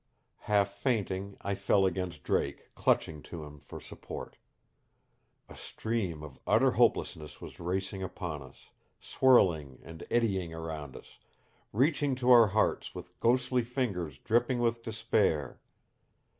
Half fainting, I fell against Drake, clutching to him for support. A stream of utter hopelessness was racing upon us, swirling and eddying around us, reaching to our hearts with ghostly fingers dripping with despair.